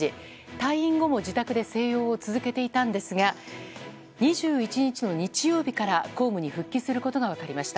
退院後も自宅で静養を続けていたんですが２１日の日曜日から公務に復帰することが分かりました。